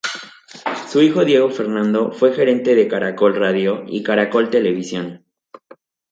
Su hijo Diego Fernando fue gerente de Caracol Radio y Caracol Televisión.